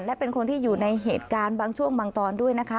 และเป็นคนที่อยู่ในเหตุการณ์บางช่วงบางตอนด้วยนะคะ